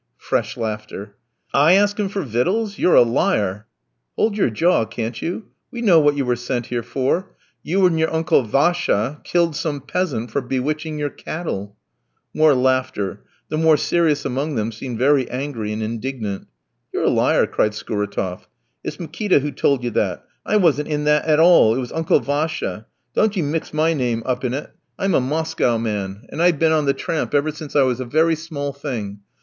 Fresh laughter. "I ask him for victuals? You're a liar!" "Hold your jaw, can't you? We know what you were sent here for. You and your Uncle Vacia killed some peasant for bewitching your cattle." More laughter. The more serious among them seemed very angry and indignant. "You're a liar," cried Skouratof; "it's Mikitka who told you that; I wasn't in that at all, it was Uncle Vacia; don't you mix my name up in it. I'm a Moscow man, and I've been on the tramp ever since I was a very small thing.